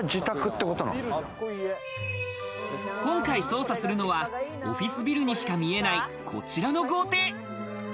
今回捜査するのはオフィスビルにしか見えないこちらの豪邸。